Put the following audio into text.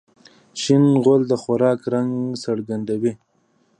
شین غول د خوراک رنګ څرګندوي.